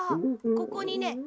ここにね。